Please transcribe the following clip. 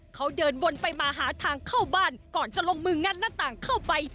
เขาเดินวนไปมาหาทางเข้าบ้านก่อนจะลงมืองัดหน้าต่างเข้าไป